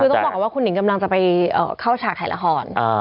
คือต้องบอกก่อนว่าคุณหนิงกำลังจะไปเข้าฉากถ่ายละคร